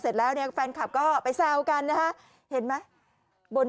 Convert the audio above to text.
เสร็จแล้วเนี่ยแฟนคลับก็ไปแซวกันนะฮะเห็นไหมบน